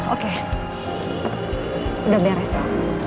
oke udah beres ya